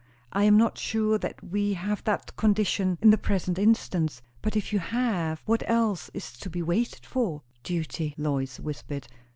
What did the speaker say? I am not sure that we have that condition in the present instance. But if you have, what else is to be waited for?" "Duty " Lois whispered.